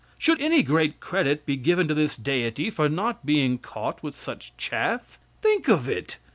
Should any great credit be given to this deity for not being caught with such chaff? Think of it!